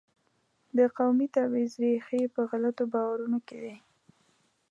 د قومي تبعیض ریښې په غلطو باورونو کې دي.